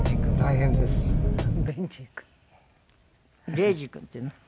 ベージ君っていうの？